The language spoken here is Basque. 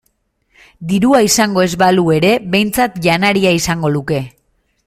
Dirua izango ez balu ere behintzat janaria izango luke.